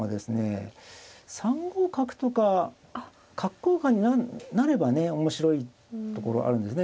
３五角とか角交換になればね面白いところあるんですね。